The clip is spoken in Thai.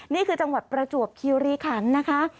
นี่คือจังหวัดประจวบคิวรีคันนะคะ